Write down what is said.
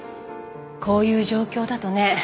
こういう状況だとね